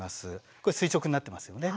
これ垂直になってますよね。